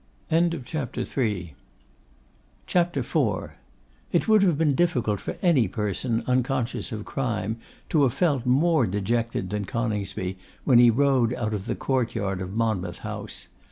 CHAPTER IV. It would have been difficult for any person, unconscious of crime, to have felt more dejected than Coningsby when he rode out of the court yard of Monmouth House.